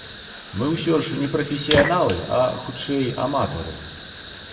Мы ўсё ж не прафесіяналы, а, хутчэй, аматары.